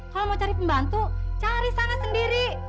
kalau mau cari pembantu cari sana sendiri